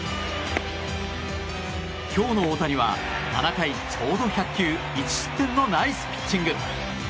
今日の大谷は７回ちょうど１００球１失点のナイスピッチング。